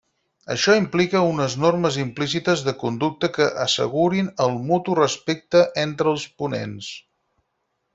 Això implica unes normes implícites de conducta que assegurin el mutu respecte entre els ponents.